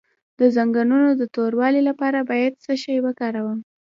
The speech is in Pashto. د زنګونونو د توروالي لپاره باید څه شی وکاروم؟